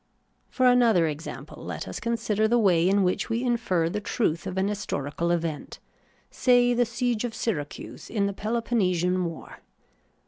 For another example, let us consider the way in which we infer the truth of an historical event — say the siege of Syracuse in the Peloponnesian war.